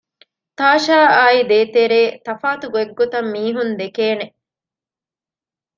ތާޝާއާއި ދޭތެރޭ ތަފާތު ގޮތްގޮތަށް މީހުން ދެކޭނެ